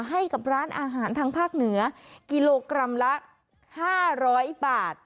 ให้กับร้านอาหารทางภาคเหนือกิโลกรัมละ๕๐๐บาท